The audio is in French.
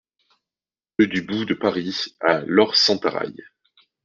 Rue du Bout de Paris à Lorp-Sentaraille